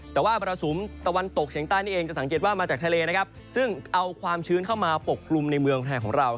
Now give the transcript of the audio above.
แต่ว่ามรสุมตะวันตกเฉียงใต้นี่เองจะสังเกตว่ามาจากทะเลนะครับซึ่งเอาความชื้นเข้ามาปกกลุ่มในเมืองไทยของเรา